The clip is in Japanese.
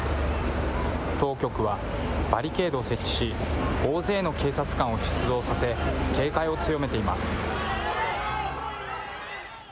当局はバリケードを設置し、大勢の警察官を出動させ、警戒を強めています。